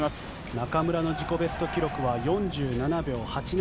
中村の自己ベスト記録は４７秒８７。